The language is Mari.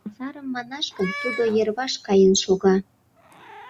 А сарым манаш гын, тудо йырваш каен шога.